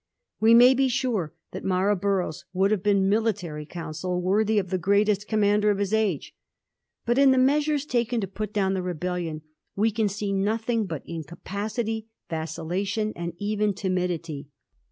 We may be sure that Marlborough's would have been military counsel worthy of the greatest commander of his age. But in the measures taken to put down the rebellion we can see nothing but incapacity, vacillation, and even timidity.